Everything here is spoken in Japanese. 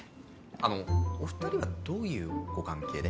あのお二人はどういうご関係で？